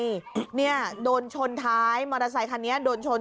นี่เนี่ยโดนชนท้ายมอเตอร์ไซคันนี้โดนชน